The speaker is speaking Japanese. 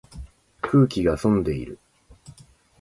空気が澄んでいる